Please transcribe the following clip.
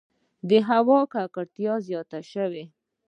• د هوا ککړتیا زیاته شوه.